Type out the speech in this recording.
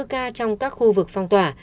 năm mươi bốn ca trong các khu vực phong tỏa